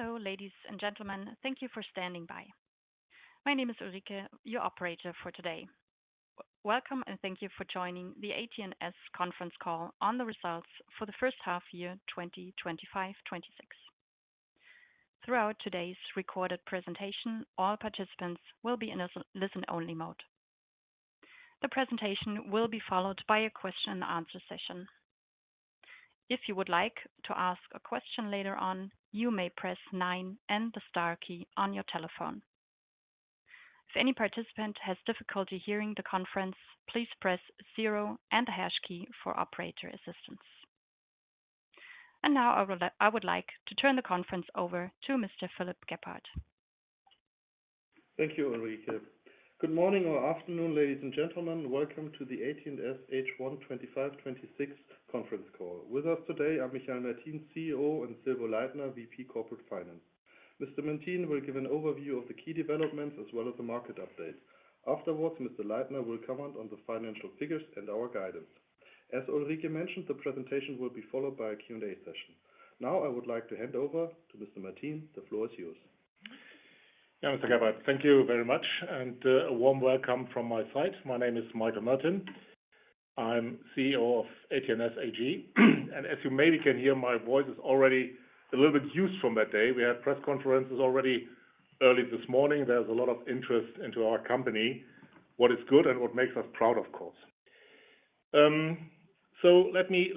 Hello, ladies and gentlemen. Thank you for standing by. My name is Ulrike, your operator for today. Welcome, and thank you for joining the AT&S Conference Call on the Results for the First Half Year 2025-26. Throughout today's recorded presentation, all participants will be in a listen-only mode. The presentation will be followed by a question-and-answer session. If you would like to ask a question later on, you may press nine and the star key on your telephone. If any participant has difficulty hearing the conference, please press zero and the hash key for operator assistance. Now I would like to turn the conference over to Mr. Philipp Gebhardt. Thank you, Ulrike. Good morning or afternoon, ladies and gentlemen. Welcome to the AT&S H1 2025-2026 conference call. With us today are Michael Mertin, CEO, and Silvo Leitner, VP Corporate Finance. Mr. Mertin will give an overview of the key developments as well as the market update. Afterwards, Mr. Leitner will comment on the financial figures and our guidance. As Ulrike mentioned, the presentation will be followed by a Q&A session. Now I would like to hand over to Mr. Mertin. The floor is yours. Yeah, Mr. Gebhardt, thank you very much, and a warm welcome from my side. My name is Michael Mertin. I'm CEO of AT&S AG, and as you maybe can hear, my voice is already a little bit used from that day. We had press conferences already early this morning. There's a lot of interest into our company, what is good and what makes us proud, of course, so let me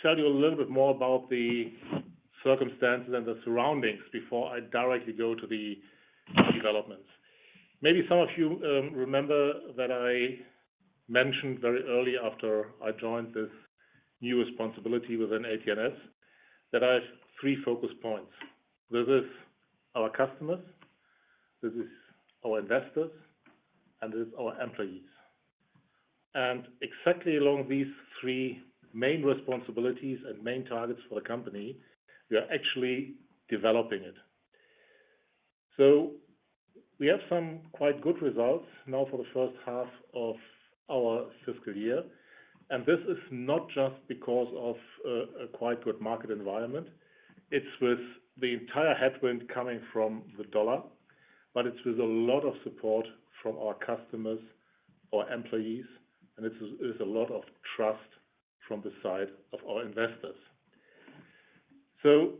tell you a little bit more about the circumstances and the surroundings before I directly go to the developments. Maybe some of you remember that I mentioned very early after I joined this new responsibility within AT&S that I have three focus points. This is our customers, this is our investors, and this is our employees, and exactly along these three main responsibilities and main targets for the company, we are actually developing it. We have some quite good results now for the first half of our fiscal year. And this is not just because of a quite good market environment. It's with the entire headwind coming from the dollar, but it's with a lot of support from our customers or employees, and it is a lot of trust from the side of our investors. So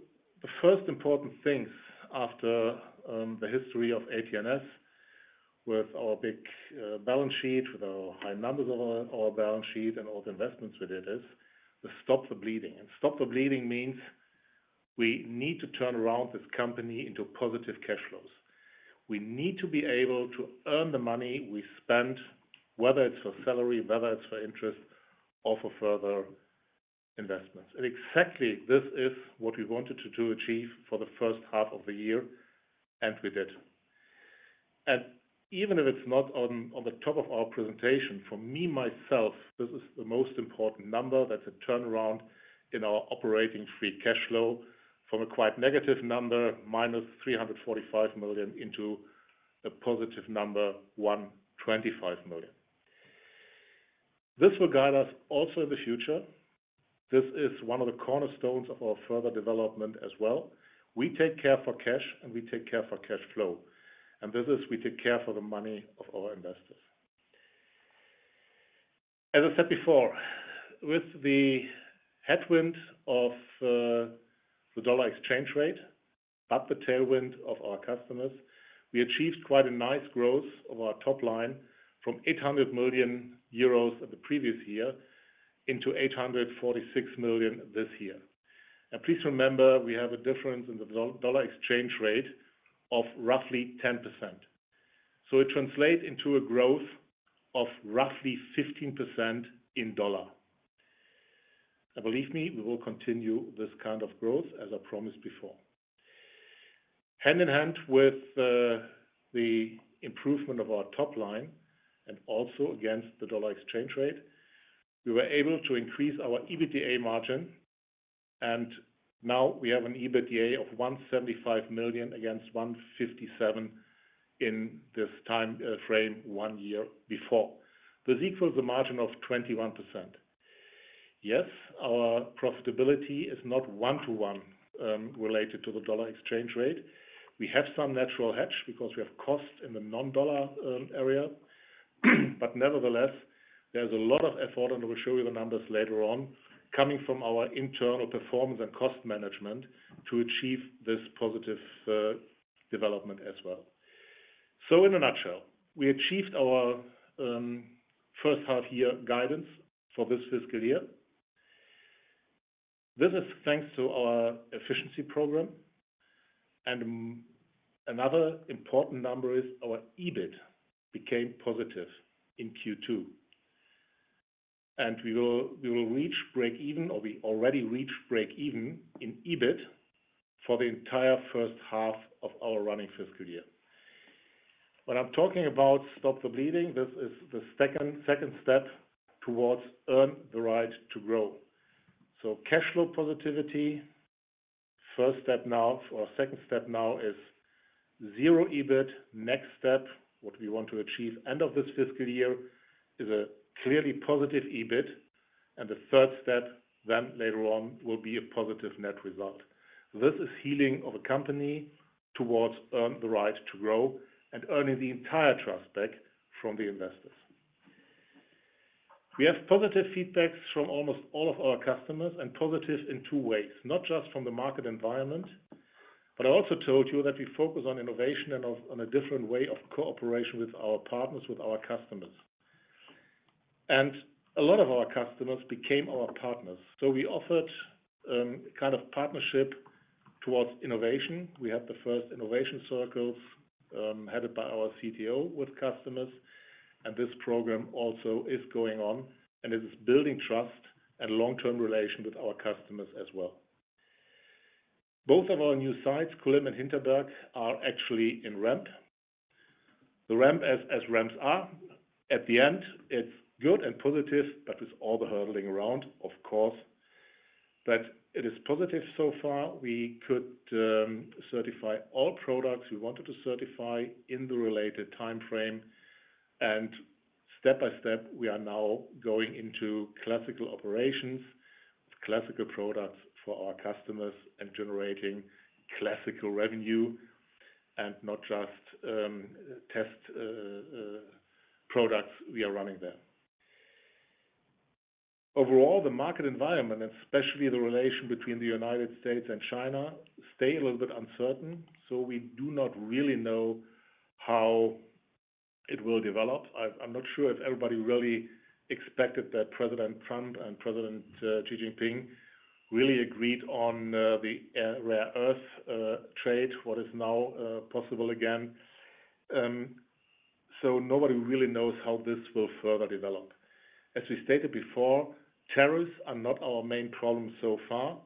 the first important things after the history of AT&S with our big balance sheet, with our high numbers of our balance sheet and all the investments we did is to stop the bleeding. And stop the bleeding means we need to turn around this company into positive cash flows. We need to be able to earn the money we spend, whether it's for salary, whether it's for interest, or for further investments. Exactly this is what we wanted to achieve for the first half of the year, and we did. Even if it's not on the top of our presentation, for me myself, this is the most important number. That's a turnaround in our operating free cash flow from a quite negative number, -345 million, into a positive number, 125 million. This will guide us also in the future. This is one of the cornerstones of our further development as well. We take care for cash, and we take care for cash flow. This is we take care for the money of our investors. As I said before, with the headwind of the dollar exchange rate, but the tailwind of our customers, we achieved quite a nice growth of our top line from 800 million euros the previous year into 846 million this year. And please remember, we have a difference in the dollar exchange rate of roughly 10%. So it translates into a growth of roughly 15% in dollar. And believe me, we will continue this kind of growth, as I promised before. Hand in hand with the improvement of our top line and also against the dollar exchange rate, we were able to increase our EBITDA margin, and now we have an EBITDA of 175 million against 157 million in this time frame one year before. This equals a margin of 21%. Yes, our profitability is not one-to-one related to the dollar exchange rate. We have some natural hedge because we have cost in the non-dollar area, but nevertheless, there's a lot of effort, and we'll show you the numbers later on, coming from our internal performance and cost management to achieve this positive development as well. So in a nutshell, we achieved our first half year guidance for this fiscal year. This is thanks to our efficiency program. And another important number is our EBIT became positive in Q2. And we will reach break-even, or we already reached break-even in EBIT for the entire first half of our running fiscal year. When I'm talking about stop the bleeding, this is the second step towards earn the right to grow. So cash flow positivity, first step now, or second step now is zero EBIT. Next step, what we want to achieve at the end of this fiscal year is a clearly positive EBIT, and the third step then later on will be a positive net result. This is healing of a company towards earn the right to grow and earning the entire trust back from the investors. We have positive feedbacks from almost all of our customers and positive in two ways, not just from the market environment, but I also told you that we focus on innovation and on a different way of cooperation with our partners, with our customers, and a lot of our customers became our partners, so we offered kind of partnership towards innovation. We had the first innovation circles headed by our CTO with customers, and this program also is going on, and this is building trust and long-term relation with our customers as well. Both of our new sites, Kulim and Hinterberg, are actually in ramp. The ramp, as ramps are, at the end, it's good and positive, but with all the hurdling around, of course, but it is positive so far. We could certify all products we wanted to certify in the related time frame, and step by step, we are now going into classical operations with classical products for our customers and generating classical revenue and not just test products we are running there. Overall, the market environment, and especially the relation between the United States and China, stay a little bit uncertain, so we do not really know how it will develop. I'm not sure if everybody really expected that President Trump and President Xi Jinping really agreed on the rare earth trade. What is now possible again. So nobody really knows how this will further develop. As we stated before, tariffs are not our main problem so far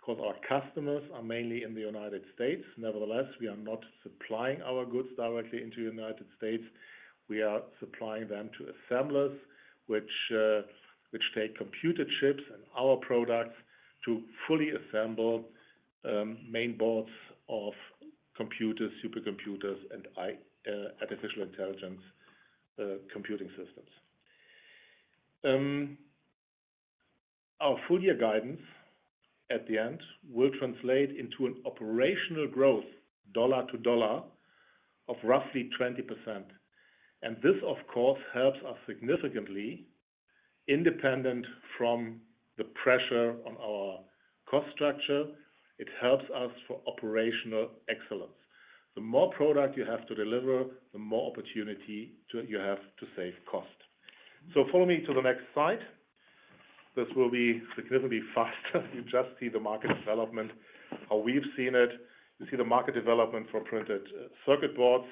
because our customers are mainly in the United States. Nevertheless, we are not supplying our goods directly into the United States. We are supplying them to assemblers, which take computer chips and our products to fully assemble main boards of computers, supercomputers, and artificial intelligence computing systems. Our full year guidance at the end will translate into an operational growth dollar to dollar of roughly 20%. And this, of course, helps us significantly independent from the pressure on our cost structure. It helps us for operational excellence. The more product you have to deliver, the more opportunity you have to save cost. So follow me to the next slide. This will be significantly faster. You just see the market development, how we've seen it. You see the market development for printed circuit boards,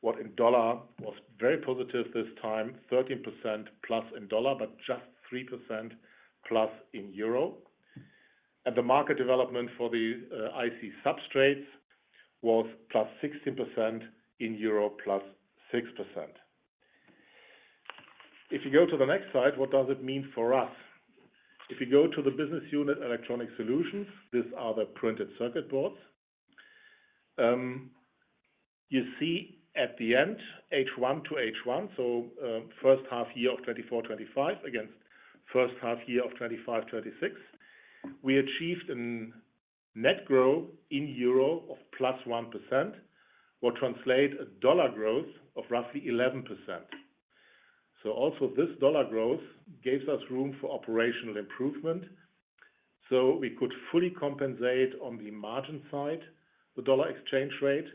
what in dollar was very positive this time, 13% plus in dollar, but just 3% plus in euro. And the market development for the IC substrates was plus 16% in euro, plus 6%. If you go to the next slide, what does it mean for us? If you go to the Business Unit Electronic Solutions, these are the printed circuit boards. You see at the end, H1 to H1, so first half year of 2024-2025 against first half year of 2025-2026, we achieved a net growth in EUR of +1%, what translates to a USD growth of roughly 11%. So also this dollar growth gives us room for operational improvement. So we could fully compensate on the margin side, the dollar exchange rate,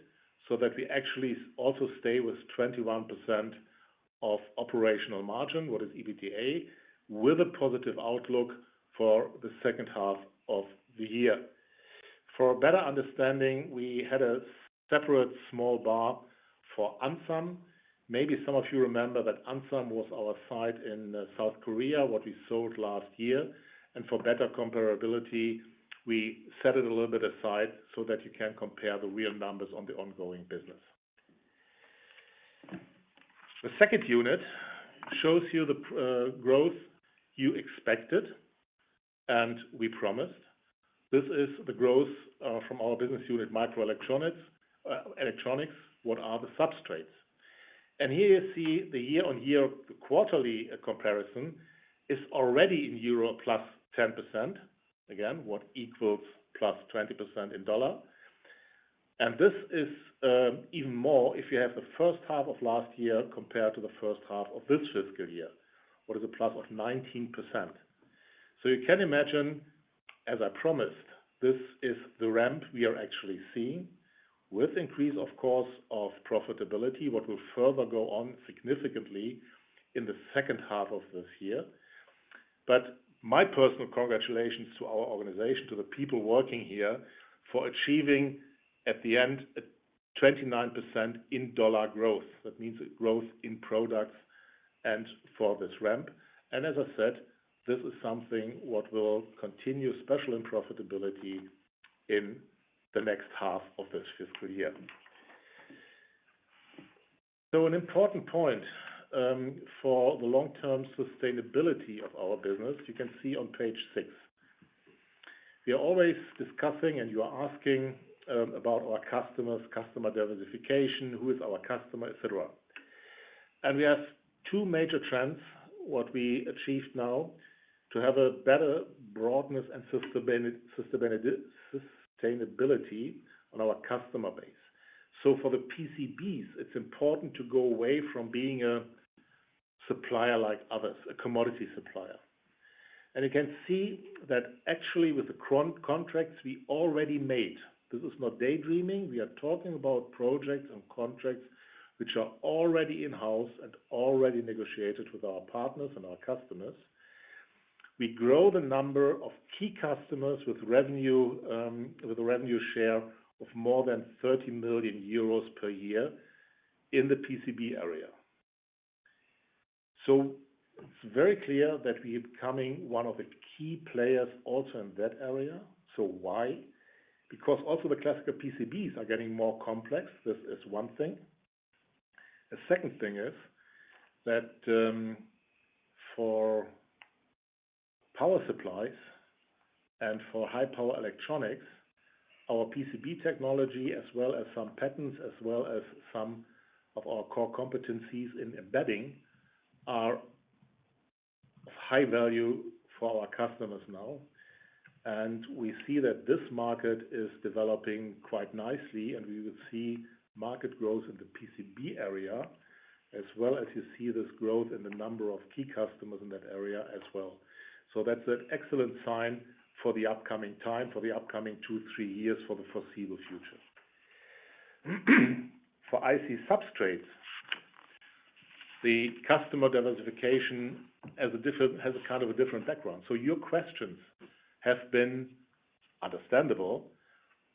so that we actually also stay with 21% of operational margin, what is EBITDA, with a positive outlook for the second half of the year. For better understanding, we had a separate small bar for Ansan. Maybe some of you remember that Ansan was our site in South Korea, what we sold last year. For better comparability, we set it a little bit aside so that you can compare the real numbers on the ongoing business. The second unit shows you the growth you expected and we promised. This is the growth from our Business Unit Microelectronics, what are the substrates. Here you see the year-on-year quarterly comparison is already in EUR plus 10%, again, what equals plus 20% in dollar. This is even more if you have the first half of last year compared to the first half of this fiscal year, what is a plus of 19%. So you can imagine, as I promised, this is the ramp we are actually seeing with increase, of course, of profitability, what will further go on significantly in the second half of this year. But my personal congratulations to our organization, to the people working here for achieving at the end a 29% in dollar growth. That means growth in products and for this ramp. And as I said, this is something what will continue special in profitability in the next half of this fiscal year. So an important point for the long-term sustainability of our business, you can see on page six. We are always discussing, and you are asking about our customers, customer diversification, who is our customer, etc. And we have two major trends, what we achieved now to have a better broadness and sustainability on our customer base. So for the PCBs, it's important to go away from being a supplier like others, a commodity supplier. And you can see that actually with the contracts we already made, this is not daydreaming. We are talking about projects and contracts which are already in-house and already negotiated with our partners and our customers. We grow the number of key customers with a revenue share of more than 30 million euros per year in the PCB area. So it's very clear that we are becoming one of the key players also in that area. So why? Because also the classical PCBs are getting more complex. This is one thing. The second thing is that for power supplies and for high-power electronics, our PCB technology, as well as some patents, as well as some of our core competencies in embedding, are of high value for our customers now. We see that this market is developing quite nicely, and we will see market growth in the PCB area, as well as you see this growth in the number of key customers in that area as well. That's an excellent sign for the upcoming time, for the upcoming two, three years, for the foreseeable future. For IC substrates, the customer diversification has a kind of a different background. Your questions have been understandable.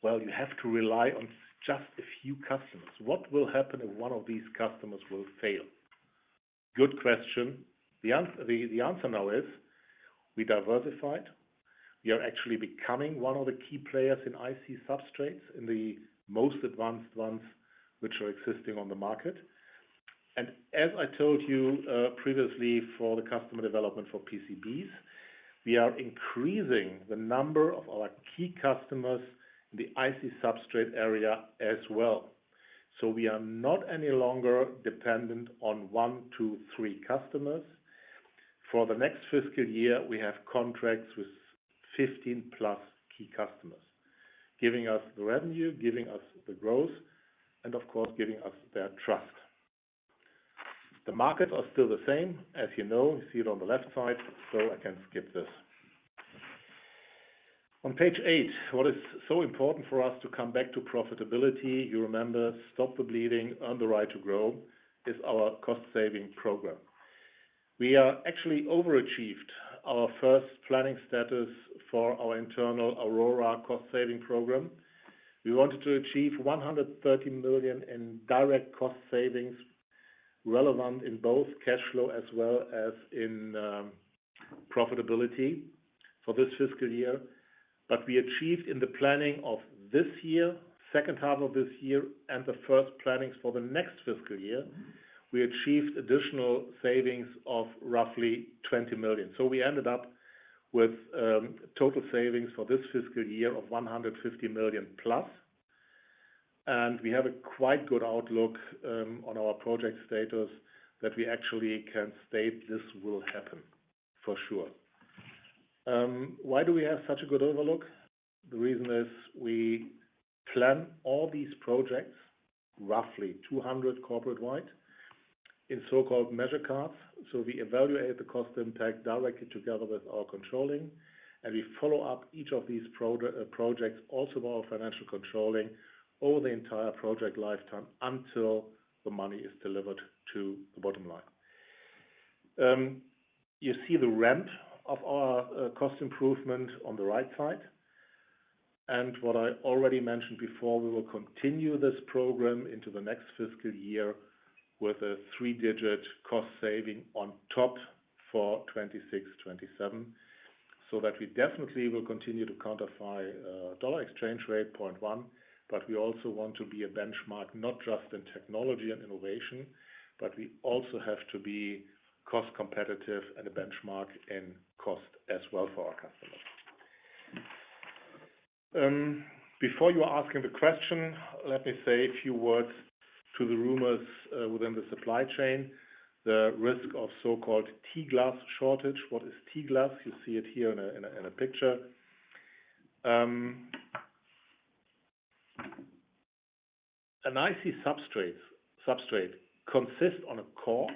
You have to rely on just a few customers. What will happen if one of these customers will fail? Good question. The answer now is we diversified. We are actually becoming one of the key players in IC substrates, in the most advanced ones which are existing on the market. And as I told you previously for the customer development for PCBs, we are increasing the number of our key customers in the IC substrate area as well. So we are not any longer dependent on one, two, three customers. For the next fiscal year, we have contracts with 15 plus key customers, giving us the revenue, giving us the growth, and of course, giving us their trust. The markets are still the same. As you know, you see it on the left side, so I can skip this. On page eight, what is so important for us to come back to profitability, you remember, stop the bleeding, earn the right to grow, is our cost-saving program. We are actually overachieved our first planning status for our internal Aurora cost-saving program. We wanted to achieve 130 million in direct cost savings relevant in both cash flow as well as in profitability for this fiscal year. But we achieved in the planning of this year, second half of this year, and the first planning for the next fiscal year, we achieved additional savings of roughly 20 million. So we ended up with total savings for this fiscal year of 150 million plus. And we have a quite good outlook on our project status that we actually can state this will happen for sure. Why do we have such a good outlook? The reason is we plan all these projects, roughly 200 corporate-wide, in so-called measure cards. We evaluate the cost impact directly together with our controlling, and we follow up each of these projects, also our financial controlling, over the entire project lifetime until the money is delivered to the bottom line. You see the ramp of our cost improvement on the right side. What I already mentioned before, we will continue this program into the next fiscal year with a three-digit cost saving on top for 2026, 2027, so that we definitely will continue to quantify dollar exchange rate 0.1, but we also want to be a benchmark not just in technology and innovation, but we also have to be cost competitive and a benchmark in cost as well for our customers. Before you ask me the question, let me say a few words to the rumors within the supply chain, the risk of so-called T-glass shortage. What is T-glass? You see it here in a picture. An IC substrate consists of a core,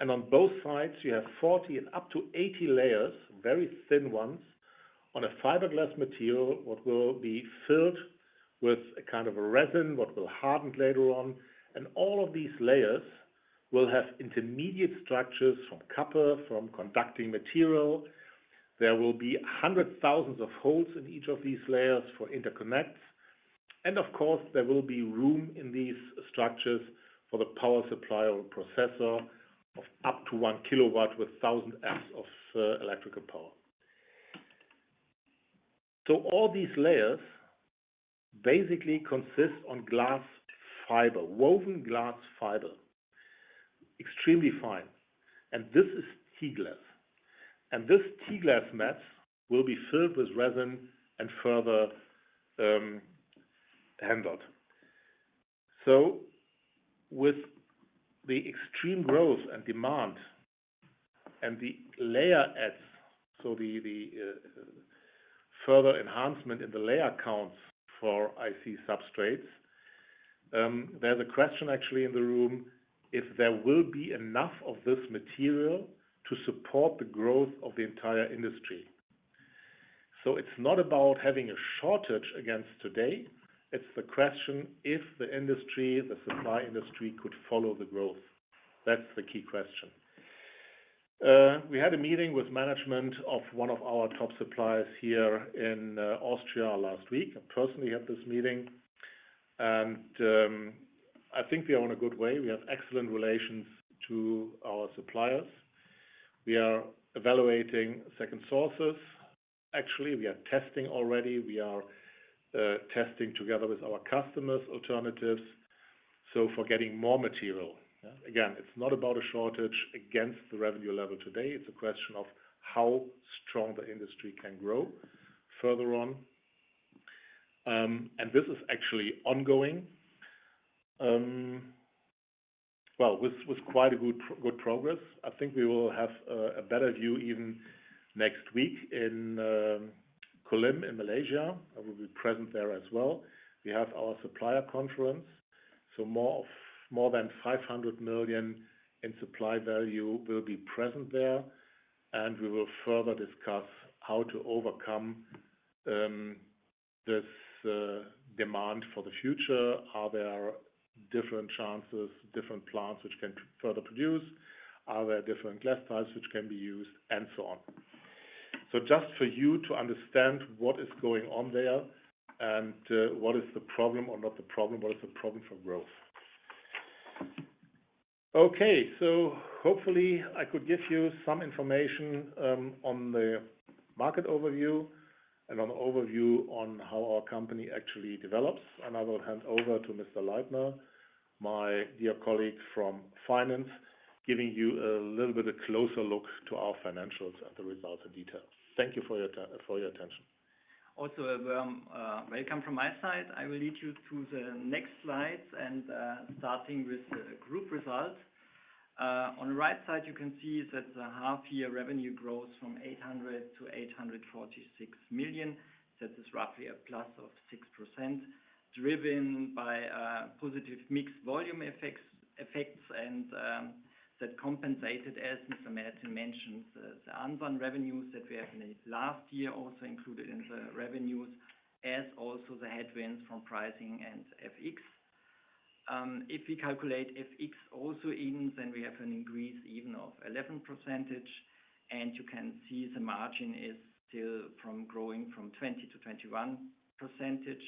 and on both sides, you have 40 and up to 80 layers, very thin ones, on a fiberglass material that will be filled with a kind of resin that will harden later on. And all of these layers will have intermediate structures from copper, from conducting material. There will be hundreds of thousands of holes in each of these layers for interconnects. And of course, there will be room in these structures for the power supply or processor of up to one kW with thousand amps of electrical power. So all these layers basically consist of glass fiber, woven glass fiber, extremely fine. And this is T-glass. And this T-glass mesh will be filled with resin and further handled. So with the extreme growth and demand and the layer adds, so the further enhancement in the layer counts for IC substrates, there's a question actually in the room if there will be enough of this material to support the growth of the entire industry. So it's not about having a shortage against today. It's the question if the industry, the supply industry, could follow the growth. That's the key question. We had a meeting with management of one of our top suppliers here in Austria last week. I personally had this meeting, and I think we are on a good way. We have excellent relations to our suppliers. We are evaluating second sources. Actually, we are testing already. We are testing together with our customers alternatives for getting more material. Again, it's not about a shortage against the revenue level today. It's a question of how strong the industry can grow further on, and this is actually ongoing, well, with quite good progress. I think we will have a better view even next week in Kulim, in Malaysia. I will be present there as well. We have our supplier conference, so more than 500 million in supply value will be present there, and we will further discuss how to overcome this demand for the future. Are there different chances, different plants which can further produce? Are there different glass types which can be used? And so on, so just for you to understand what is going on there and what is the problem or not the problem, what is the problem for growth, okay. So hopefully, I could give you some information on the market overview and an overview on how our company actually develops. I will hand over to Mr. Leitner, my dear colleague from finance, giving you a little bit of a closer look to our financials and the results in detail. Thank you for your attention. Also, a warm welcome from my side. I will lead you to the next slides and starting with the group results. On the right side, you can see that the half-year revenue grows from 800 million to 846 million. That is roughly a plus of 6%, driven by positive mixed volume effects and that compensated, as Mr. Michael mentioned, the Ansan revenues that we have in the last year also included in the revenues, as also the headwinds from pricing and FX. If we calculate FX also in, then we have an increase even of 11%, and you can see the margin is still growing from 20% to 21%.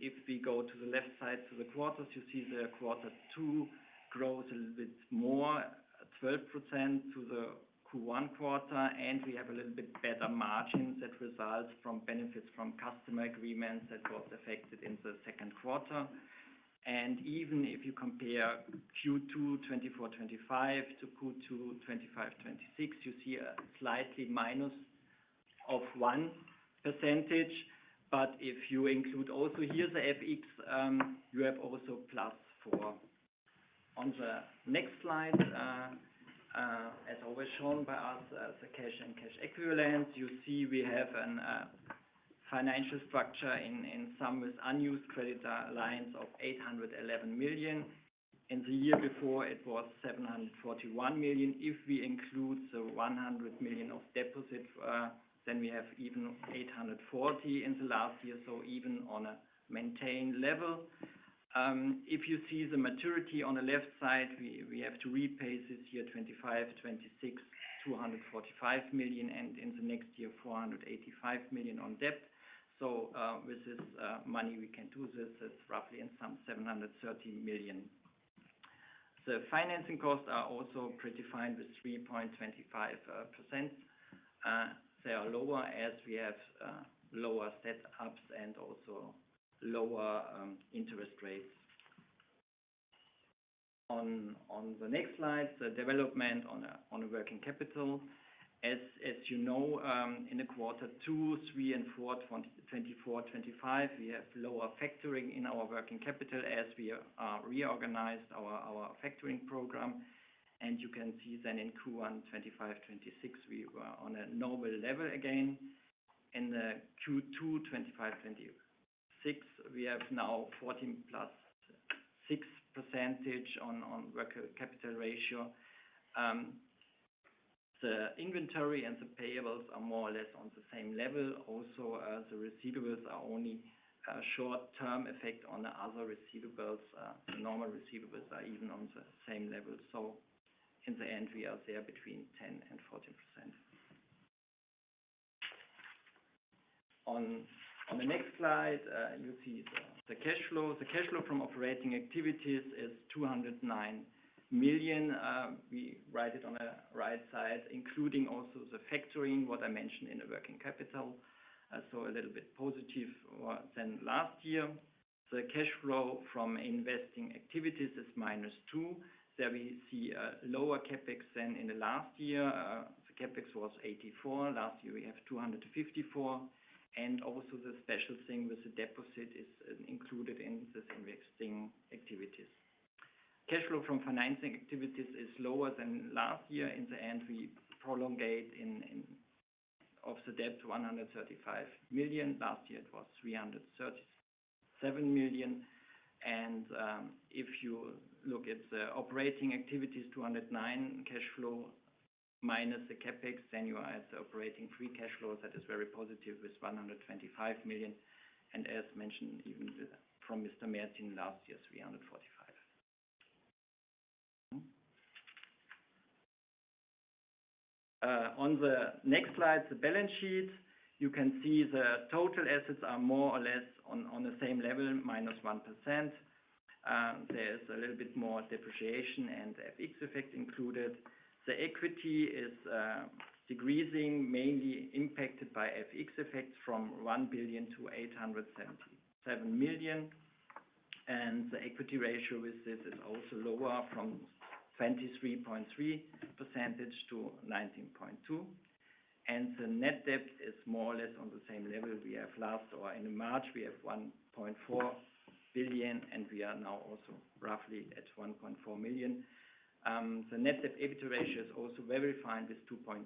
If we go to the left side to the quarters, you see the quarter two grows a little bit more, 12% to the Q1 quarter, and we have a little bit better margins that result from benefits from customer agreements that were affected in the second quarter. Even if you compare Q2 2024/2025 to Q2 2025/2026, you see a slightly minus of 1%. But if you include also here the FX, you have also plus 4%. On the next slide, as always shown by us, the cash and cash equivalents, you see we have a financial structure in some with unused credit lines of 811 million. In the year before, it was 741 million. If we include the 100 million of deposit, then we have even 840 million in the last year, so even on a maintained level. If you see the maturity on the left side, we have to repay this year 2025, 2026, 245 million, and in the next year, 485 million on debt. So with this money, we can do this as roughly in some 730 million. The financing costs are also pretty fine with 3.25%. They are lower as we have lower setups and also lower interest rates. On the next slide, the development on working capital. As you know, in the quarter two, three, and four, 2024, 2025, we have lower factoring in our working capital as we reorganized our factoring program, and you can see then in Q1 2025/2026, we were on a normal level again. In Q2 2025/2026, we have now 14% plus 6% on working capital ratio. The inventory and the payables are more or less on the same level. Also, the receivables are only short-term effect on the other receivables. Normal receivables are even on the same level, so in the end, we are there between 10% and 14%. On the next slide, you see the cash flow. The cash flow from operating activities is 209 million. We write it on the right side, including also the factoring, what I mentioned in the working capital, so a little bit positive than last year. The cash flow from investing activities is minus 2 million. There we see a lower CapEx than in the last year. The CapEx was 84 million. Last year, we have 254 million, and also the special thing with the deposit is included in this investing activities. Cash flow from financing activities is lower than last year. In the end, we prolonged of the debt to 135 million. Last year, it was 337 million. If you look at the operating activities, 209 cash flow minus the CapEx, then you are at the operating free cash flow that is very positive with 125 million. And as mentioned even from Mr. Michael last year, 345. On the next slide, the balance sheet, you can see the total assets are more or less on the same level, minus 1%. There is a little bit more depreciation and FX effect included. The equity is decreasing, mainly impacted by FX effects from 1 billion to 877 million. And the equity ratio with this is also lower from 23.3% to 19.2%. And the net debt is more or less on the same level. We have last or in March, we have 1.4 billion, and we are now also roughly at 1.4 million. The net debt equity ratio is also very fine with 2.2.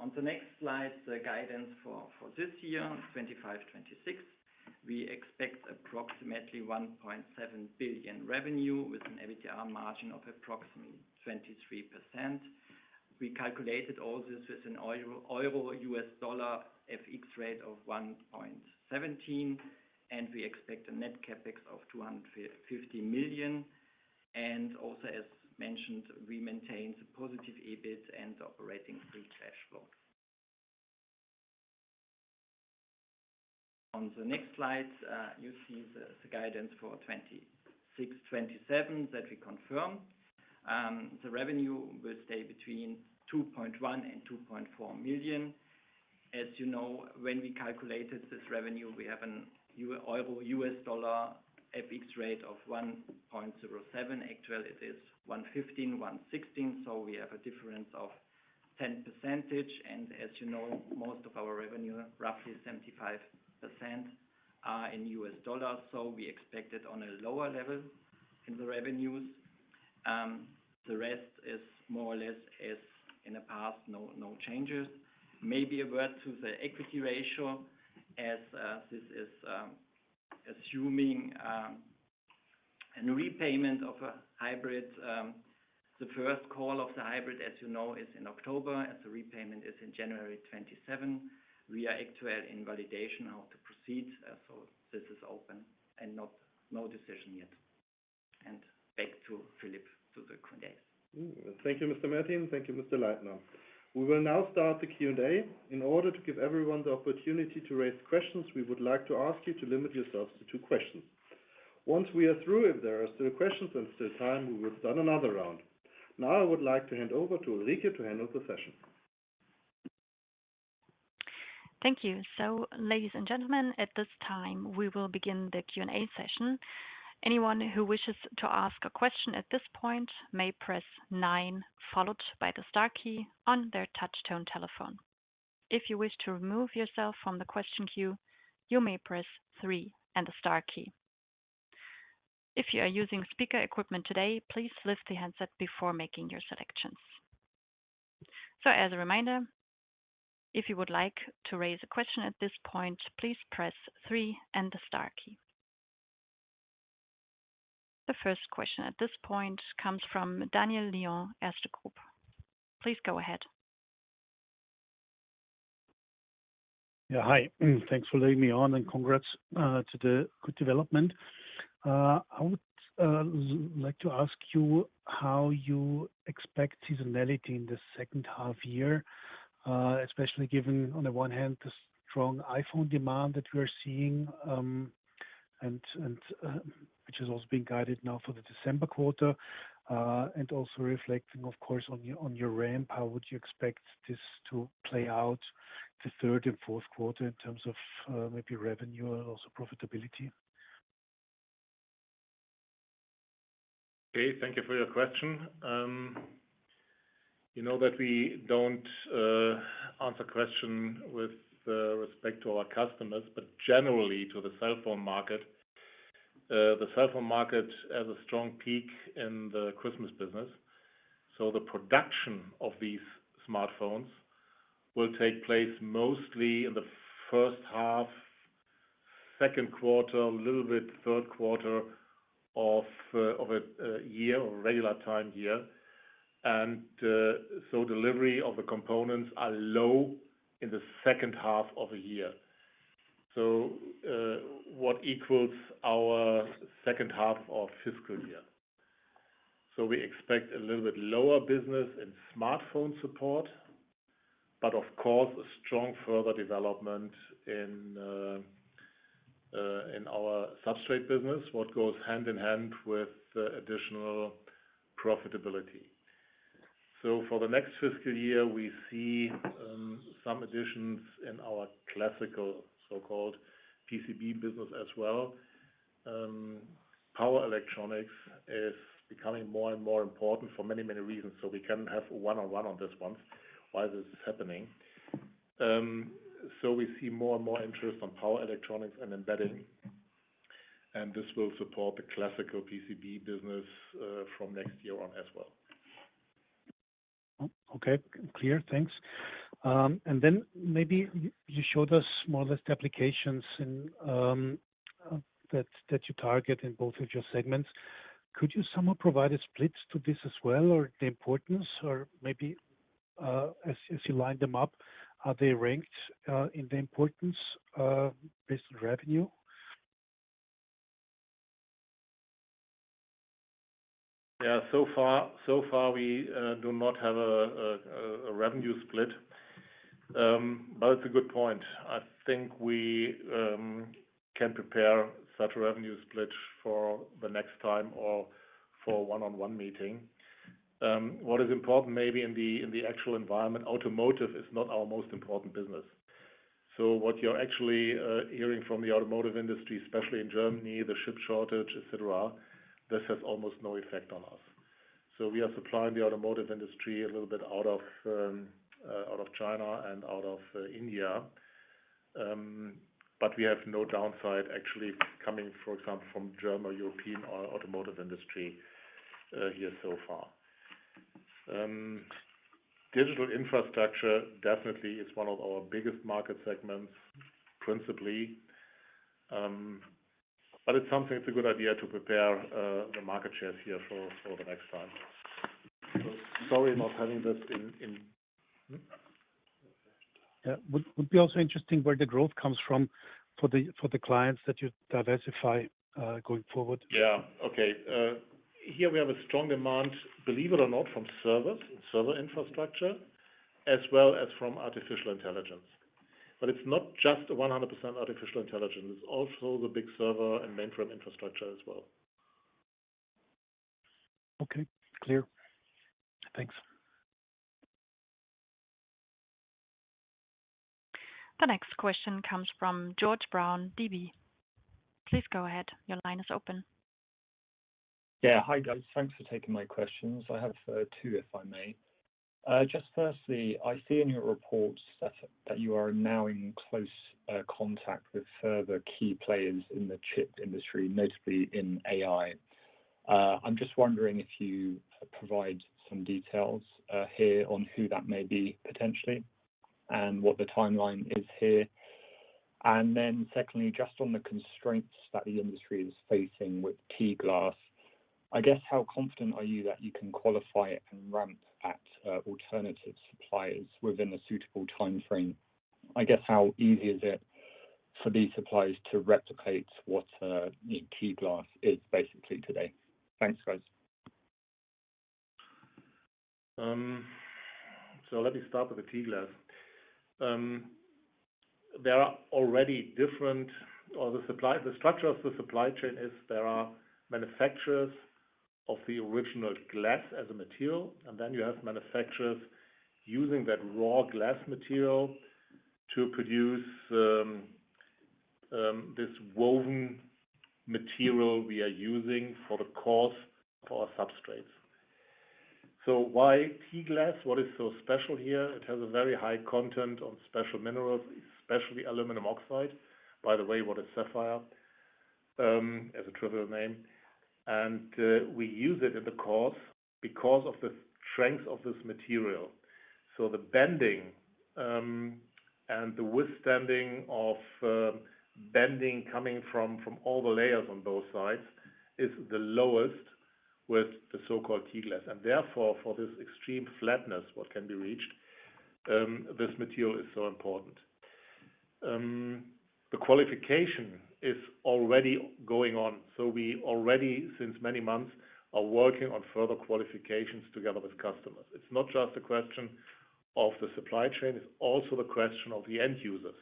On the next slide, the guidance for this year, 2025/2026, we expect approximately 1.7 billion revenue with an EBITDA margin of approximately 23%. We calculated all this with a EUR/USD FX rate of 1.17, and we expect a net CapEx of 250 million, and also, as mentioned, we maintain the positive EBIT and operating free cash flow. On the next slide, you see the guidance for 2026/2027 that we confirm. The revenue will stay between 2.1 and 2.4 billion. As you know, when we calculated this revenue, we have a EUR/USD FX rate of 1.07. Actually, it is 1.15, 1.16. So we have a difference of 10%. And as you know, most of our revenue, roughly 75%, are in U.S. dollars. So we expect it on a lower level in the revenues. The rest is more or less as in the past, no changes. Maybe a word to the equity ratio, as this is assuming a repayment of a hybrid. The first call of the hybrid, as you know, is in October, and the repayment is in January 2027. We are actually validation how to proceed. So this is open and no decision yet. And back to Philipp to the Q&As. Thank you, Mr. Michael. Thank you, Mr. Leitner. We will now start the Q&A. In order to give everyone the opportunity to raise questions, we would like to ask you to limit yourselves to two questions. Once we are through, if there are still questions and still time, we will start another round. Now, I would like to hand over to Ulrike to handle the session. Thank you. So, ladies and gentlemen, at this time, we will begin the Q&A session. Anyone who wishes to ask a question at this point may press nine, followed by the star key on their touch-tone telephone. If you wish to remove yourself from the question queue, you may press three and the star key. If you are using speaker equipment today, please lift the headset before making your selections. So, as a reminder, if you would like to raise a question at this point, please press three and the star key. The first question at this point comes from Daniel Lion of Erste Group. Please go ahead. Yeah, hi. Thanks for letting me on and congrats to the good development. I would like to ask you how you expect seasonality in the second half year, especially given, on the one hand, the strong iPhone demand that we are seeing, which is also being guided now for the December quarter, and also reflecting, of course, on your ramp. How would you expect this to play out the third and fourth quarter in terms of maybe revenue and also profitability? Okay. Thank you for your question. You know that we don't answer questions with respect to our customers, but generally to the cell phone market. The cell phone market has a strong peak in the Christmas business. So the production of these smartphones will take place mostly in the first half, second quarter, a little bit third quarter of a regular time year. And so delivery of the components are low in the second half of a year. So what equals our second half of our fiscal year? So we expect a little bit lower business in smartphone substrates, but of course, a strong further development in our substrate business, what goes hand in hand with additional profitability. So for the next fiscal year, we see some additions in our classical so-called PCB business as well. Power electronics is becoming more and more important for many, many reasons. So we can have one-on-one on this once while this is happening. So we see more and more interest on power electronics and embedding. And this will support the classical PCB business from next year on as well. Okay. Clear. Thanks. And then maybe you showed us more or less the applications that you target in both of your segments. Could you somehow provide a split to this as well or the importance? Or maybe as you line them up, are they ranked in the importance based on revenue? Yeah. So far, we do not have a revenue split, but it's a good point. I think we can prepare such a revenue split for the next time or for a one-on-one meeting. What is important, maybe in the actual environment, automotive is not our most important business, so what you're actually hearing from the automotive industry, especially in Germany, the chip shortage, etc., this has almost no effect on us, so we are supplying the automotive industry a little bit out of China and out of India, but we have no downside actually coming, for example, from German or European automotive industry here so far. Digital infrastructure definitely is one of our biggest market segments principally, but it's something. It's a good idea to prepare the market shares here for the next time, so sorry about not having this in. Yeah. Would be also interesting where the growth comes from for the clients that you diversify going forward? Yeah. Okay. Here we have a strong demand, believe it or not, from servers and server infrastructure, as well as from artificial intelligence. But it's not just 100% artificial intelligence. It's also the big server and mainframe infrastructure as well. Okay. Clear. Thanks. The next question comes from George Brown, DB. Please go ahead. Your line is open. Yeah. Hi, guys. Thanks for taking my questions. I have two, if I may. Just firstly, I see in your reports that you are now in close contact with further key players in the chip industry, notably in AI. I'm just wondering if you provide some details here on who that may be potentially and what the timeline is here. And then secondly, just on the constraints that the industry is facing with T-glass, I guess how confident are you that you can qualify and ramp at alternative suppliers within a suitable timeframe? I guess how easy is it for these suppliers to replicate what T-glass is basically today? Thanks, guys. So let me start with the T-glass. The structure of the supply chain is. There are manufacturers of the original glass as a material, and then you have manufacturers using that raw glass material to produce this woven material we are using for the core of our substrates. So why T-glass? What is so special here? It has a very high content of special minerals, especially aluminum oxide. By the way, what is sapphire as a trivial name? And we use it in the core because of the strength of this material. So the bending and the withstanding of bending coming from all the layers on both sides is the lowest with the so-called T-glass. And therefore, for this extreme flatness, what can be reached, this material is so important. The qualification is already going on. We already, since many months, are working on further qualifications together with customers. It's not just a question of the supply chain. It's also the question of the end users.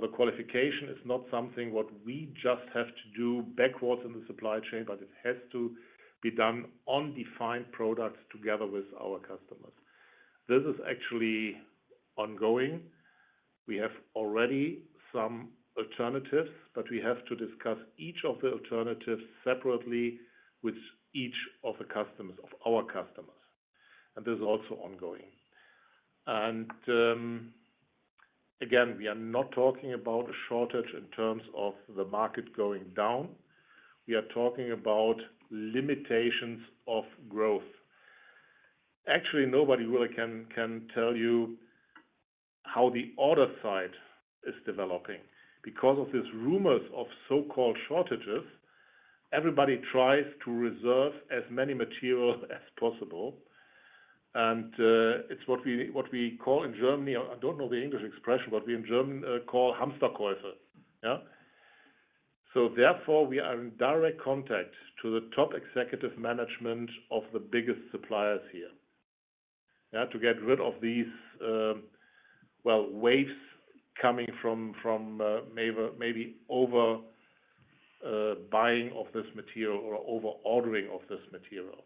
The qualification is not something what we just have to do backwards in the supply chain, but it has to be done on defined products together with our customers. This is actually ongoing. We have already some alternatives, but we have to discuss each of the alternatives separately with each of the customers of our customers. And this is also ongoing. And again, we are not talking about a shortage in terms of the market going down. We are talking about limitations of growth. Actually, nobody really can tell you how the other side is developing. Because of these rumors of so-called shortages, everybody tries to reserve as many materials as possible. It's what we call in Germany, I don't know the English expression, but we in German call hamster kaufen. Yeah? Therefore, we are in direct contact to the top executive management of the biggest suppliers here, yeah, to get rid of these, well, waves coming from maybe overbuying of this material or overordering of this material.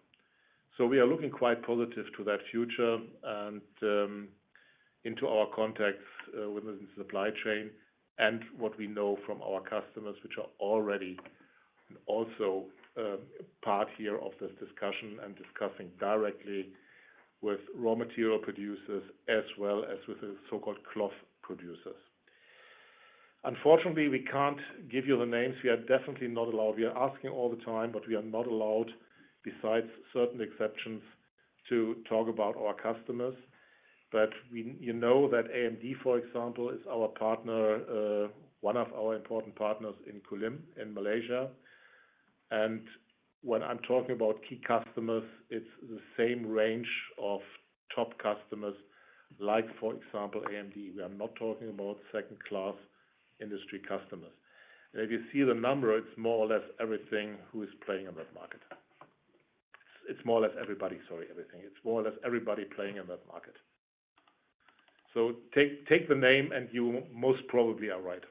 We are looking quite positive to that future and into our contacts within the supply chain and what we know from our customers, which are already also part here of this discussion and discussing directly with raw material producers as well as with the so-called cloth producers. Unfortunately, we can't give you the names. We are definitely not allowed. We are asking all the time, but we are not allowed, besides certain exceptions, to talk about our customers. But you know that AMD, for example, is our partner, one of our important partners in Kulim in Malaysia. And when I'm talking about key customers, it's the same range of top customers like, for example, AMD. We are not talking about second-class industry customers. And if you see the number, it's more or less everything who is playing in that market. It's more or less everybody, sorry, everything. It's more or less everybody playing in that market. So take the name, and you most probably are right.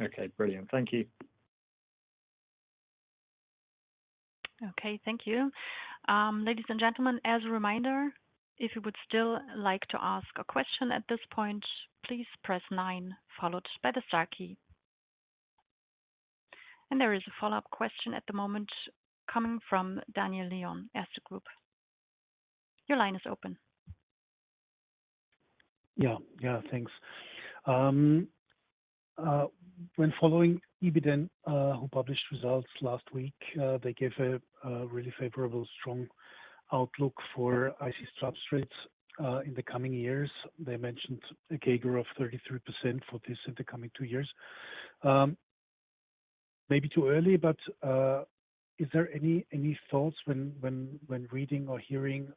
Okay. Brilliant. Thank you. Okay. Thank you. Ladies and gentlemen, as a reminder, if you would still like to ask a question at this point, please press nine followed by the star key. And there is a follow-up question at the moment coming from Daniel Lion at Erste Group. Your line is open. Yeah. Yeah. Thanks. When following Ibiden, who published results last week, they gave a really favorable, strong outlook for IC substrates in the coming years. They mentioned a CAGR of 33% for this in the coming two years. Maybe too early, but is there any thoughts when reading or hearing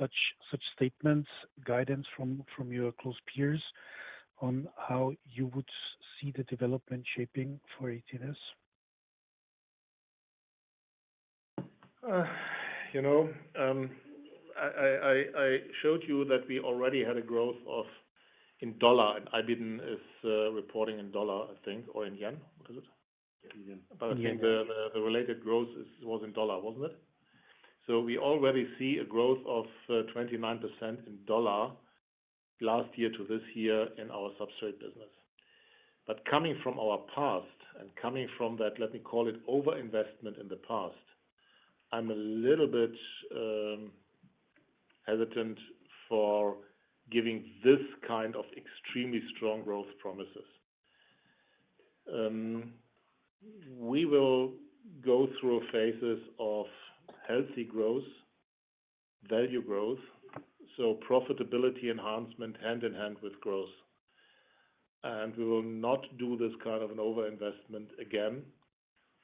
such statements, guidance from your close peers on how you would see the development shaping for AT&S? I showed you that we already had a growth in dollar, and Ibiden is reporting in dollar, I think, or in yen. What is it? But I think the related growth was in dollar, wasn't it? So we already see a growth of 29% in dollar last year to this year in our substrate business. But coming from our past and coming from that, let me call it, overinvestment in the past, I'm a little bit hesitant for giving this kind of extremely strong growth promises. We will go through phases of healthy growth, value growth, so profitability enhancement hand in hand with growth. And we will not do this kind of an overinvestment again,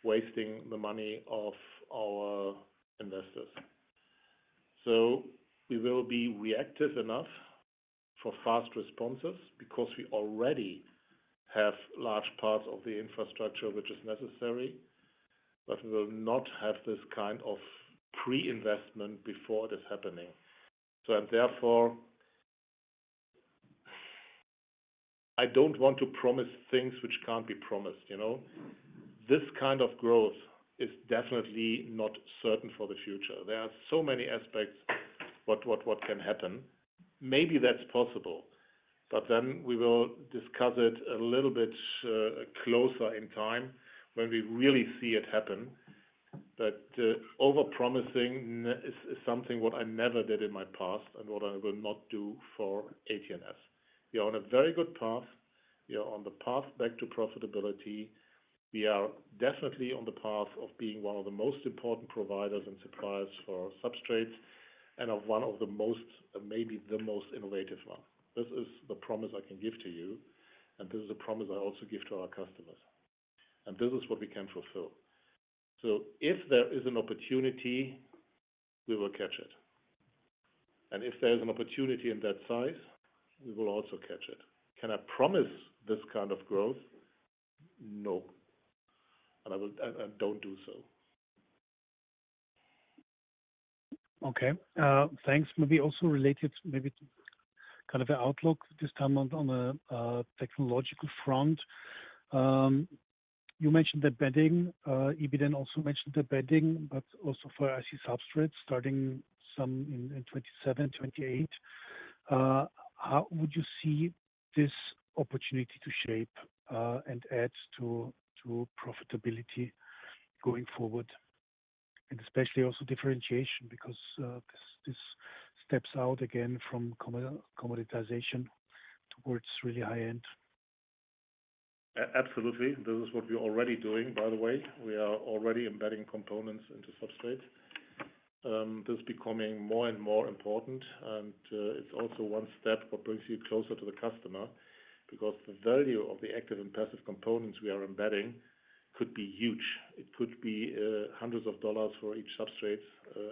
wasting the money of our investors. So we will be reactive enough for fast responses because we already have large parts of the infrastructure which is necessary, but we will not have this kind of pre-investment before it is happening. So therefore, I don't want to promise things which can't be promised. This kind of growth is definitely not certain for the future. There are so many aspects of what can happen. Maybe that's possible. But then we will discuss it a little bit closer in time when we really see it happen. But overpromising is something what I never did in my past and what I will not do for AT&S. We are on a very good path. We are on the path back to profitability. We are definitely on the path of being one of the most important providers and suppliers for substrates and of one of the most, maybe the most innovative ones. This is the promise I can give to you, and this is a promise I also give to our customers. And this is what we can fulfill. So if there is an opportunity, we will catch it. And if there is an opportunity in that size, we will also catch it. Can I promise this kind of growth? No. And I don't do so. Okay. Thanks. Maybe also related to maybe kind of an outlook this time on the technological front. You mentioned the embedding. Ibiden also mentioned the embedding, but also for IC substrates starting sometime in 2027, 2028. How would you see this opportunity to shape and add to profitability going forward, and especially also differentiation because this steps out again from commoditization towards really high-end? Absolutely. This is what we're already doing, by the way. We are already embedding components into substrates. This is becoming more and more important, and it's also one step that brings you closer to the customer because the value of the active and passive components we are embedding could be huge. It could be hundreds of dollars for each substrate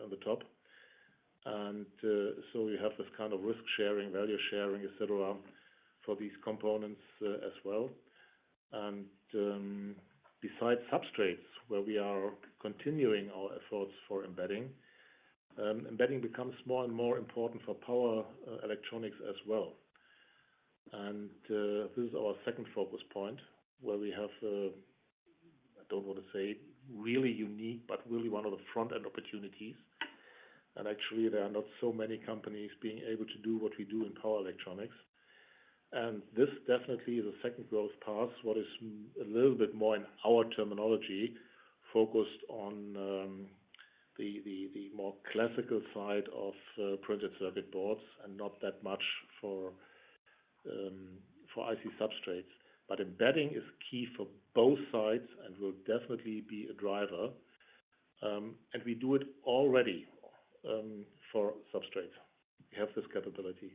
on the top. And so you have this kind of risk sharing, value sharing, etc., for these components as well. And besides substrates, where we are continuing our efforts for embedding, embedding becomes more and more important for power electronics as well. And this is our second focus point where we have, I don't want to say really unique, but really one of the front-end opportunities. And actually, there are not so many companies being able to do what we do in power electronics. This definitely is a second growth path, what is a little bit more in our terminology focused on the more classical side of printed circuit boards and not that much for IC substrates. Embedding is key for both sides and will definitely be a driver. We do it already for substrates. We have this capability.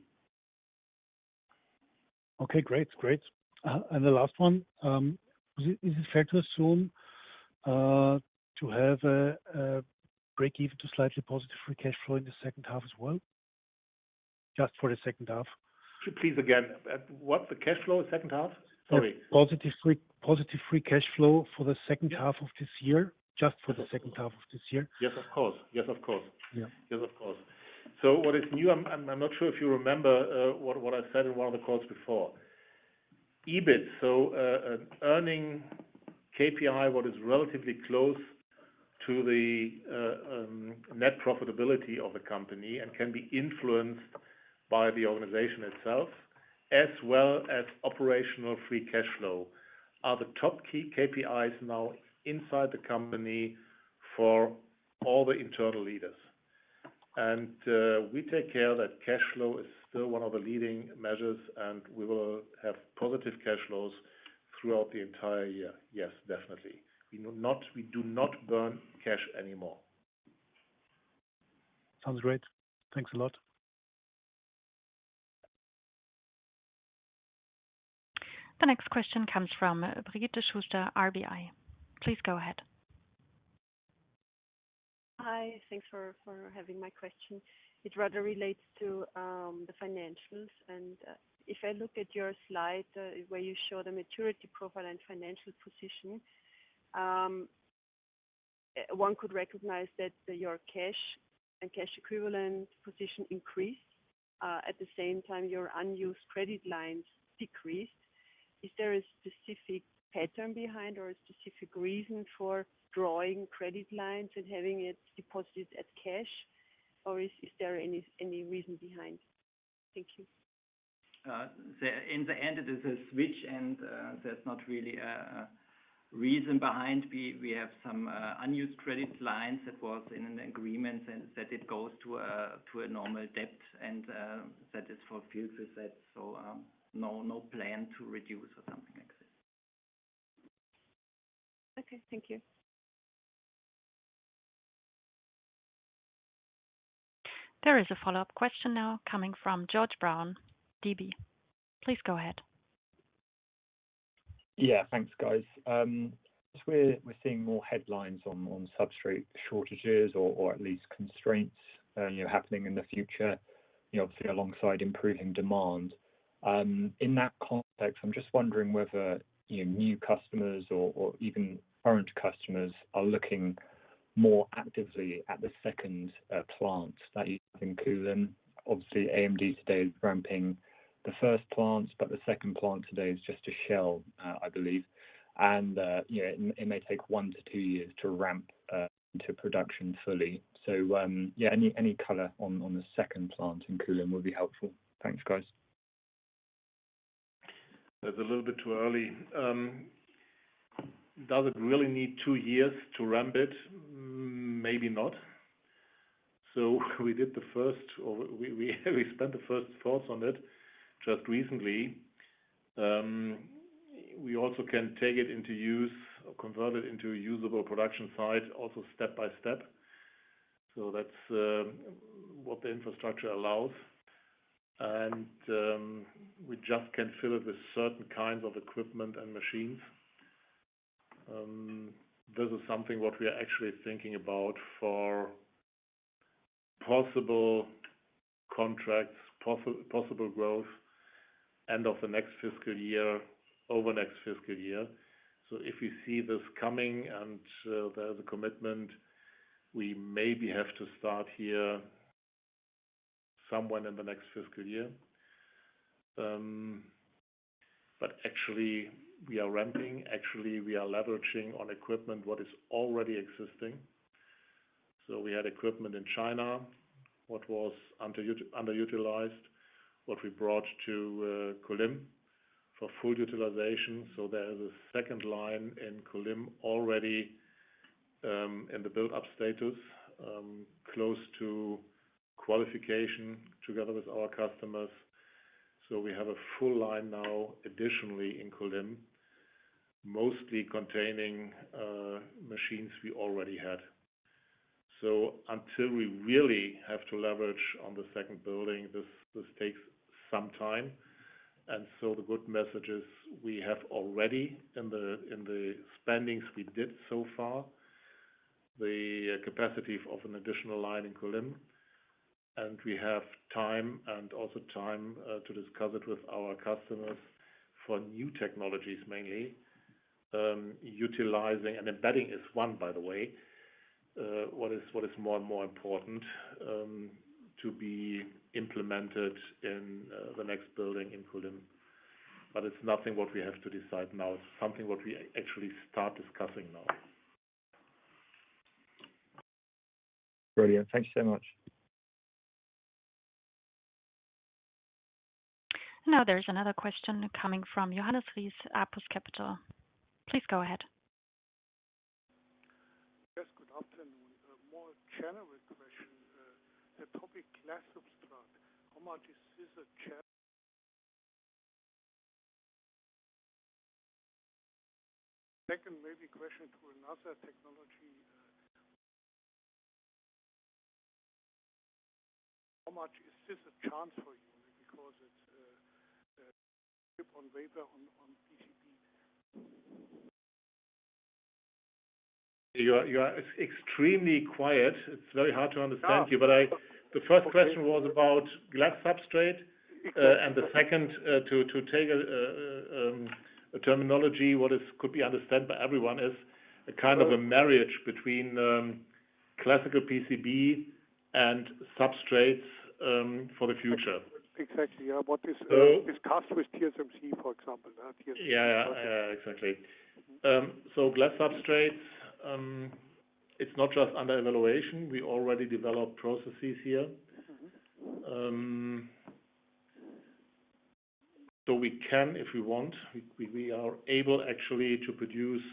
Okay. Great. Great. And the last one, is it fair to assume to have a break-even to slightly positive free cash flow in the second half as well? Just for the second half. Please again. What's the cash flow in the second half? Sorry. Positive free cash flow for the second half of this year, just for the second half of this year. Yes, of course. So what is new? I'm not sure if you remember what I said in one of the calls before. EBIT, so an earnings KPI, what is relatively close to the net profitability of a company and can be influenced by the organization itself, as well as operational free cash flow, are the top key KPIs now inside the company for all the internal leaders. And we take care that cash flow is still one of the leading measures, and we will have positive cash flows throughout the entire year. Yes, definitely. We do not burn cash anymore. Sounds great. Thanks a lot. The next question comes from Birgit Schuster, RBI. Please go ahead. Hi. Thanks for having my question. It rather relates to the financials. And if I look at your slide where you show the maturity profile and financial position, one could recognize that your cash and cash equivalent position increased. At the same time, your unused credit lines decreased. Is there a specific pattern behind or a specific reason for drawing credit lines and having it deposited as cash? Or is there any reason behind? Thank you. In the end, it is a switch, and there's not really a reason behind. We have some unused credit lines that was in an agreement that it goes to a normal debt and that is fulfilled with that. So no plan to reduce or something like that. Okay. Thank you. There is a follow-up question now coming from George Brown, DB. Please go ahead. Yeah. Thanks, guys. We're seeing more headlines on substrate shortages or at least constraints happening in the future, obviously alongside improving demand. In that context, I'm just wondering whether new customers or even current customers are looking more actively at the second plant that you have in Kulim. Obviously, AMD today is ramping the first plant, but the second plant today is just a shell, I believe. And it may take one to two years to ramp to production fully. So yeah, any color on the second plant in Kulim would be helpful. Thanks, guys. That's a little bit too early. Does it really need two years to ramp it? Maybe not. So we did the first or we spent the first thoughts on it just recently. We also can take it into use or convert it into a usable production site, also step by step. So that's what the infrastructure allows. And we just can fill it with certain kinds of equipment and machines. This is something what we are actually thinking about for possible contracts, possible growth end of the next fiscal year, over next fiscal year. So if we see this coming and there is a commitment, we maybe have to start here somewhere in the next fiscal year. But actually, we are ramping. Actually, we are leveraging on equipment what is already existing. So we had equipment in China what was underutilized, what we brought to Kulim for full utilization. So there is a second line in Kulim already in the build-up status, close to qualification together with our customers. So we have a full line now additionally in Kulim, mostly containing machines we already had. So until we really have to leverage on the second building, this takes some time. And so the good message is we have already in the spendings we did so far the capacity of an additional line in Kulim. And we have time and also time to discuss it with our customers for new technologies mainly. Utilizing and embedding is one, by the way, what is more and more important to be implemented in the next building in Kulim. But it's nothing what we have to decide now. It's something what we actually start discussing now. Brilliant. Thank you so much. Now, there's another question coming from Johannes Ries, Apus Capital. Please go ahead. Yes. Good afternoon. More general question. The topic class of plant. How much is a chance? Second, maybe question to another technology. How much is this a chance for you because it's a Chip-on-Wafer on PCB? You are extremely quiet. It's very hard to understand you. But the first question was about glass substrate, and the second, to take a terminology what could be understood by everyone, is a kind of a marriage between classical PCB and substrates for the future. Exactly. What is CoWoS with TSMC, for example? Yeah. Yeah. Exactly. So glass substrates, it's not just under evaluation. We already developed processes here. So we can, if we want. We are able actually to produce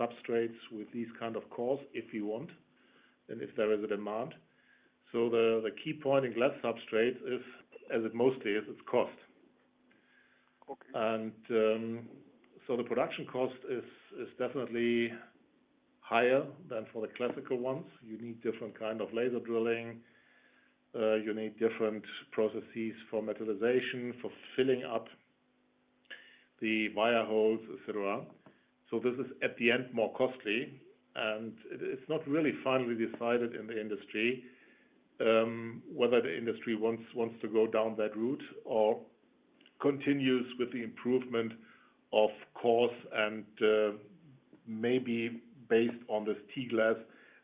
substrates with these kind of cores if we want and if there is a demand. So the key point in glass substrates is, as it mostly is, it's cost. And so the production cost is definitely higher than for the classical ones. You need different kind of laser drilling. You need different processes for metallization, for filling up the via holes, etc. So this is at the end more costly. And it's not really finally decided in the industry whether the industry wants to go down that route or continues with the improvement of cores and maybe based on this T-glass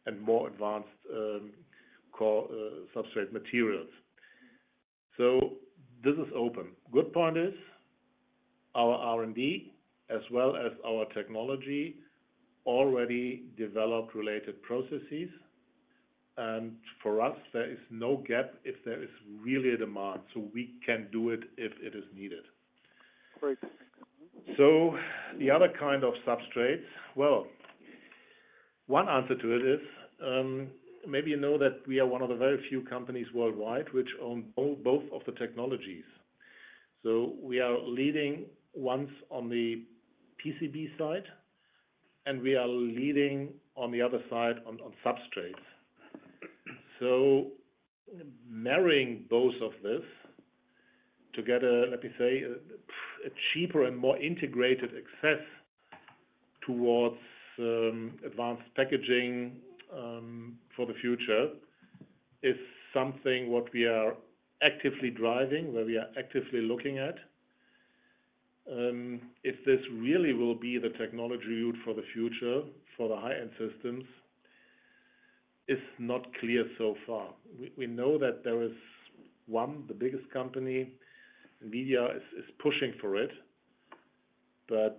and more advanced substrate materials. So this is open. Good point is our R&D as well as our technology already developed related processes, and for us, there is no gap if there is really a demand, so we can do it if it is needed. Great. So the other kind of substrates. Well, one answer to it is maybe you know that we are one of the very few companies worldwide which own both of the technologies. So we are leading once on the PCB side, and we are leading on the other side on substrates. So marrying both of this together, let me say, a cheaper and more integrated access towards advanced packaging for the future is something what we are actively driving, where we are actively looking at. If this really will be the technology route for the future for the high-end systems, it's not clear so far. We know that there is one, the biggest company. NVIDIA is pushing for it. But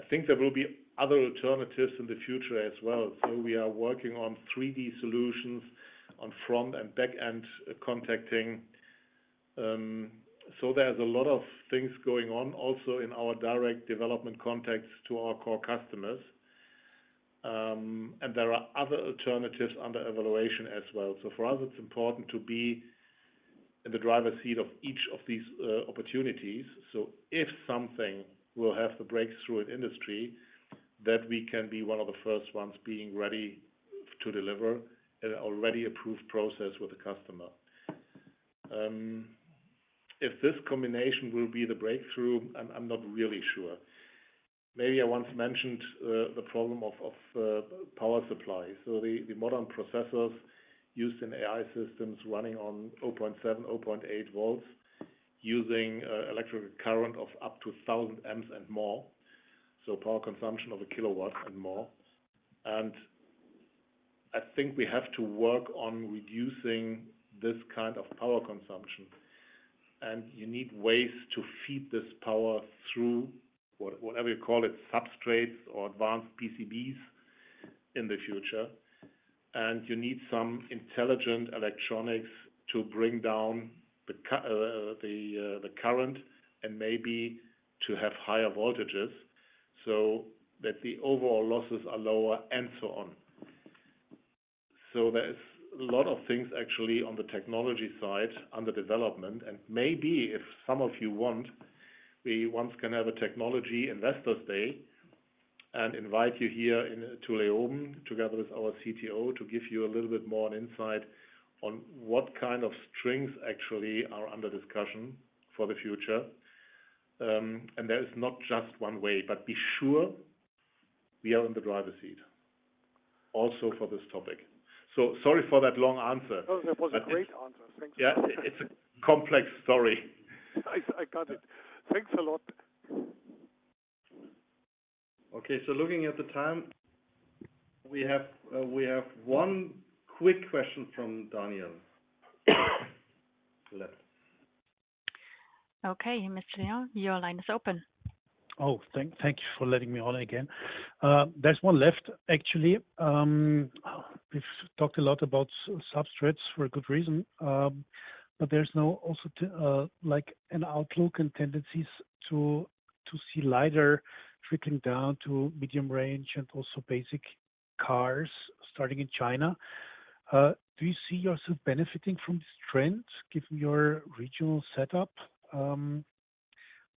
I think there will be other alternatives in the future as well. So we are working on 3D solutions on front and back-end contacting. So, there's a lot of things going on also in our direct development contacts to our core customers. And there are other alternatives under evaluation as well. So, for us, it's important to be in the driver's seat of each of these opportunities. So, if something will have the breakthrough in industry, that we can be one of the first ones being ready to deliver an already approved process with the customer. If this combination will be the breakthrough, I'm not really sure. Maybe I once mentioned the problem of power supply. So, the modern processors used in AI systems running on 0.7, 0.8 volts using electric current of up to 1,000 amps and more. So, power consumption of a kilowatt and more. And I think we have to work on reducing this kind of power consumption. You need ways to feed this power through whatever you call it, substrates or advanced PCBs in the future. You need some intelligent electronics to bring down the current and maybe to have higher voltages so that the overall losses are lower and so on. There is a lot of things actually on the technology side under development. Maybe if some of you want, we once can have a technology investors day and invite you here to Leoben together with our CTO to give you a little bit more insight on what kind of things actually are under discussion for the future. There is not just one way, but be sure we are in the driver's seat also for this topic. Sorry for that long answer. No, that was a great answer. Thanks a lot. Yeah. It's a complex story. I got it. Thanks a lot. Okay, so looking at the time, we have one quick question from Daniel. Okay. Mr. Lion, your line is open. Oh, thank you for letting me on again. There's one left, actually. We've talked a lot about substrates for a good reason. But there's also an outlook and trends to see LiDAR trickling down to medium range and also basic cars starting in China. Do you see yourself benefiting from this trend given your regional setup?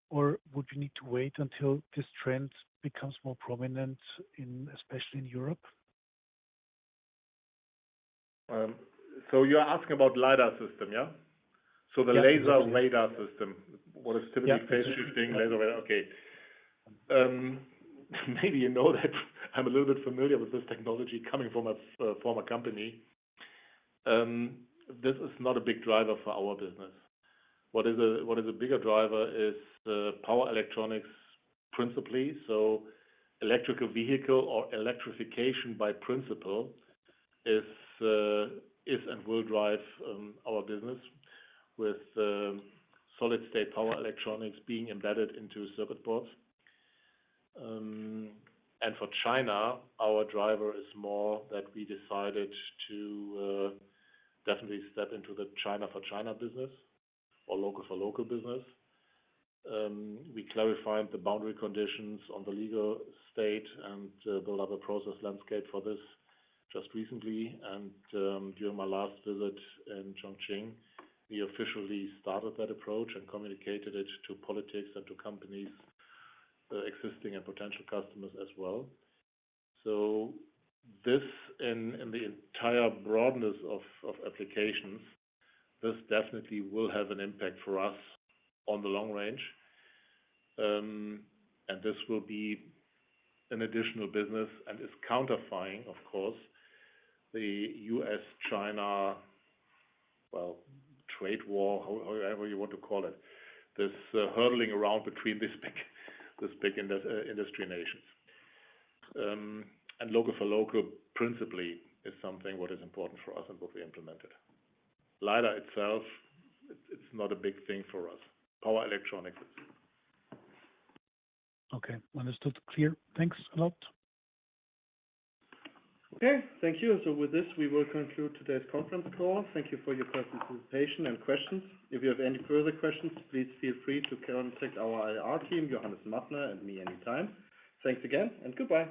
Or would you need to wait until this trend becomes more prominent, especially in Europe? So you're asking about LiDAR system, yeah? So the laser radar system, what is typically phase-shifting laser radar. Okay. Maybe you know that I'm a little bit familiar with this technology coming from a former company. This is not a big driver for our business. What is a bigger driver is power electronics principally. So electric vehicle or electrification by principle is and will drive our business with solid-state power electronics being embedded into circuit boards. And for China, our driver is more that we decided to definitely step into the China-for-China business or local-for-local business. We clarified the boundary conditions on the legal state and built up a process landscape for this just recently. And during my last visit in Chongqing, we officially started that approach and communicated it to politics and to companies, existing and potential customers as well. So, this in the entire broadness of applications, this definitely will have an impact for us on the long range. And this will be an additional business and is countering, of course, the U.S.-China, well, trade war, however you want to call it, this hurling around between these big industry nations. And local-for-local principally is something what is important for us and what we implemented. LiDAR itself, it's not a big thing for us. Power electronics. Okay. Understood. Clear. Thanks a lot. Okay. Thank you. So with this, we will conclude today's conference call. Thank you for your participation and questions. If you have any further questions, please feel free to contact our IR team, Johannes, Mertin, and me anytime. Thanks again and goodbye.